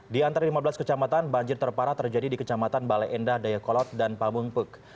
di antara lima belas kecamatan banjir terparah terjadi di kecamatan bale endah dayakolot dan pamungpek